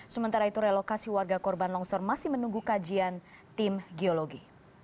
sementara itu relokasi warga korban longsor masih menunggu kajian tim geologi